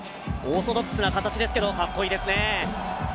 オーソドックスな形ですけどかっこいいですね